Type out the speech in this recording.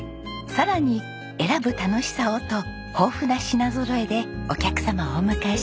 さらに「選ぶ楽しさを」と豊富な品ぞろえでお客様をお迎えします。